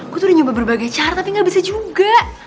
aku tuh udah nyoba berbagai cara tapi gak bisa juga